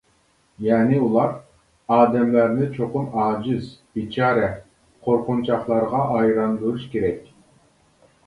يەنى ئۇلار: ئادەملەرنى چوقۇم ئاجىز، بىچارە، قورقۇنچاقلارغا ئايلاندۇرۇش كېرەك.